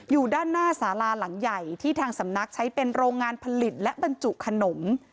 อยู่ด้านหน้าสาลาหลังใหญ่ที่ทางสำนักใช้เป็นโรงงานผลิตและบรรจุขนม